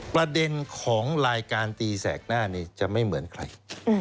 ประเด็นของรายการตีแสกหน้านี้จะไม่เหมือนใคร